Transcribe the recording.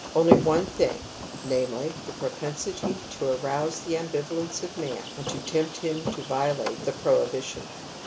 Only one thing, namely, the propensity to arouse the ambivalence of man and to tempt him to violate the prohibition.